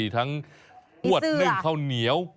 ทั้งฮวดนึ่งข้าวเหนียว